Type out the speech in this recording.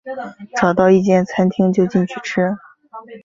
找到一间餐厅就进去吃